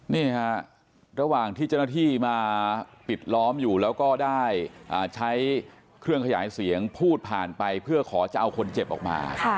นี่ฮะระหว่างที่เจ้าหน้าที่มาปิดล้อมอยู่แล้วก็ได้ใช้เครื่องขยายเสียงพูดผ่านไปเพื่อขอจะเอาคนเจ็บออกมา